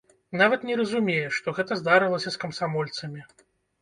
Нават не разумее, што гэта здарылася з камсамольцамі.